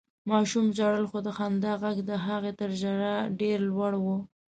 ماشوم ژړل، خو د خندا غږ د هغه تر ژړا ډېر لوړ و.